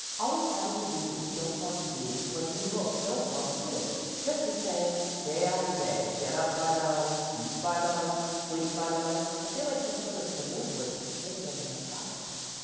Always having to do what you don't want to do when you most don't want to do it. Just the same, day after day: get up by bells, eat by bells, sleep by bells. I feel like some sort of a delinquent living in an asylum."